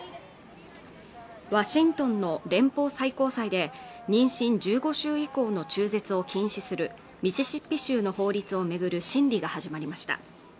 ワシントンの連邦最高裁で妊娠１５週以降の中絶を禁止するミシシッピ州の法律をめぐる審理が始まりました